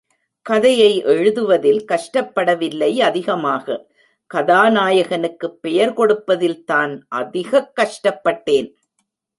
கதையை எழுதுவதில் கஷ்டப்பட வில்லை அதிகமாக கதாநாயகனுக்குப் பெயர் கொடுப்பதில் தான் அதிகக் கஷ்டப்பட்டேன்!